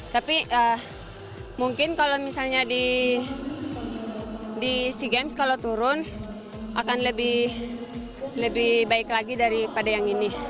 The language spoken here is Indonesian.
tapi mungkin kalau misalnya di sea games kalau turun akan lebih baik lagi daripada yang ini